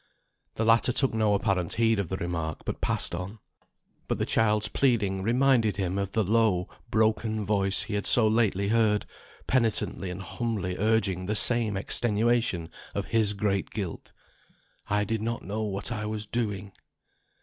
The latter took no apparent heed of the remark, but passed on. But the child's pleading reminded him of the low, broken voice he had so lately heard, penitently and humbly urging the same extenuation of his great guilt. "I did not know what I was doing."